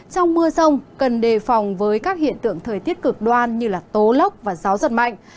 trong mưa rông cần đề phòng với các hiện tượng thời tiết cực đoan như tố lốc và gió giật mạnh